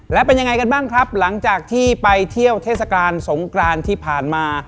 และเป็นยังไงกันบ้างครับหลังจากที่ไปเที่ยวเทศกาลสงกรานที่ผ่านมา